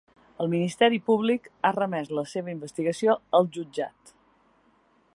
El ministeri públic ha remès la seva investigació al jutjat.